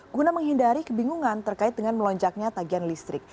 guna menghindari kebingungan terkait dengan melonjaknya tagihan listrik